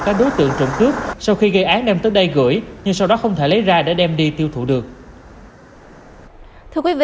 các đối tượng trộm cướp sau khi gây án đem tới đây gửi nhưng sau đó không thể lấy ra để đem đi tiêu thụ được